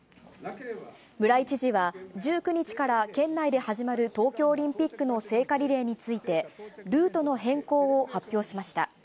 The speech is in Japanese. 村井知事は、１９日から県内で始まる東京オリンピックの聖火リレーについて、ルートの変更を発表しました。